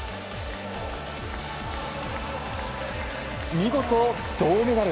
見事、銅メダル。